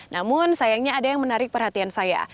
namun sayangnya ada yang menarik perhatian saya